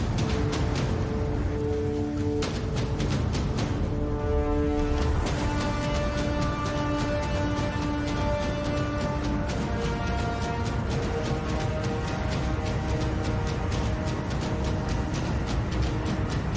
ที่